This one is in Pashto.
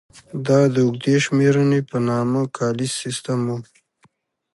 دا د اوږدې شمېرنې په نامه کالیز سیستم و.